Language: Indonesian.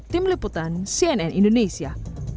tim liputan cnn indonesia